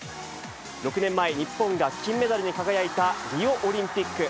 ６年前、日本が金メダルに輝いたリオオリンピック。